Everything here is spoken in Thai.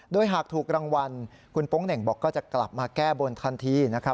โดยหากถูกรางวัลคุณโป๊งเหน่งบอกก็จะกลับมาแก้บนทันทีนะครับ